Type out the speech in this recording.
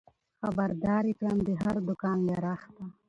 خبر دار يې کړم د هر دوکان له رخته